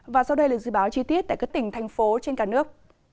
và sau đây là dự báo chi tiết tại các tỉnh thành phố trên cả nước